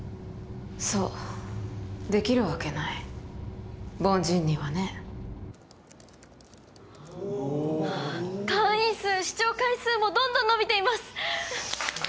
そうできるわけない凡人にはねおっ会員数視聴回数もどんどん伸びています